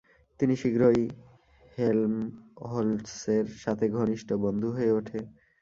তিনি শীঘ্রই হেলমহোল্টসের সাথে ঘনিষ্ঠ বন্ধু হয়ে ওঠে।